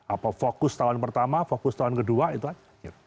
apa fokus tahun pertama fokus tahun kedua itu aja